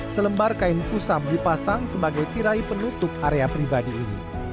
selembar kain kusam dipasang sebagai tirai penutup area pribadi ini